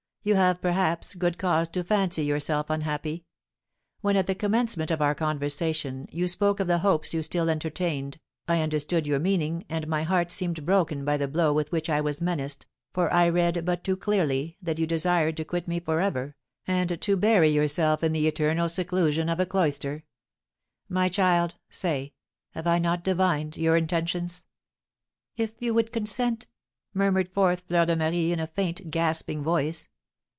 You have, perhaps, good cause to fancy yourself unhappy. When, at the commencement of our conversation, you spoke of the hopes you still entertained, I understood your meaning, and my heart seemed broken by the blow with which I was menaced, for I read but too clearly that you desired to quit me for ever, and to bury yourself in the eternal seclusion of a cloister. My child, say, have I not divined your intentions?" "If you would consent," murmured forth Fleur de Marie, in a faint, gasping voice.